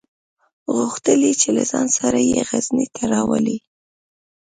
غوښتل یې چې له ځان سره یې غزني ته راولي.